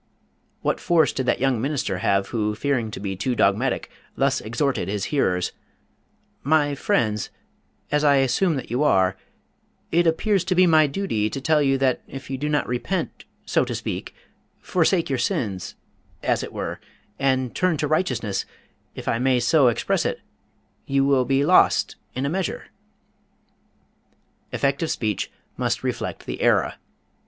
What force did that young minister have who, fearing to be too dogmatic, thus exhorted his hearers: "My friends as I assume that you are it appears to be my duty to tell you that if you do not repent, so to speak, forsake your sins, as it were, and turn to righteousness, if I may so express it, you will be lost, in a measure"? Effective speech must reflect the era.